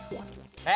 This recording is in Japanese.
えっ？